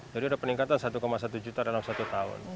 jadi ada peningkatan satu satu juta dalam satu tahun